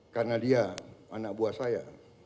karena dia anak buah saya